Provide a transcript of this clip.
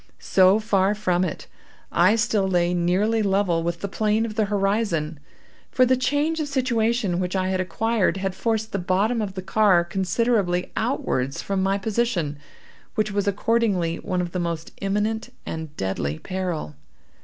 So far from it, I still lay nearly level with the plane of the horizon; for the change of situation which I had acquired, had forced the bottom of the car considerably outwards from my position, which was accordingly one of the most imminent and deadly peril.